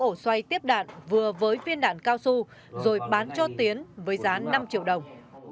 ổ xoay tiếp đạn vừa với viên đạn cao su rồi bán cho tiến với giá năm triệu đồng